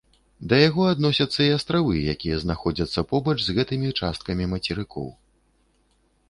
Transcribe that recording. Да яго адносяцца і астравы, якія знаходзяцца побач з гэтымі часткамі мацерыкоў.